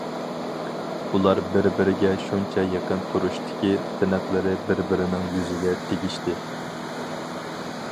ئۇلار بىر- بىرىگە شۇنچە يېقىن تۇرۇشتىكى، تىنىقلىرى بىر- بىرىنىڭ يۈزىگە تېگىشتى.